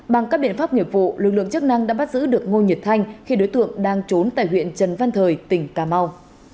bằng các biện pháp nghiệp vụ lực lượng chức năng đã bắt giữ được ngô nhật thanh khi đối tượng đang trốn tại huyện trần văn thời tỉnh cà mau